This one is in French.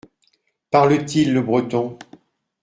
Parle-t-il le breton ?